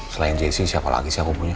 selain jessy siapa lagi sih aku punya